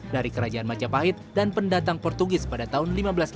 dari kerajaan macapahit dan pendatang portugis pada tahun seribu lima ratus delapan belas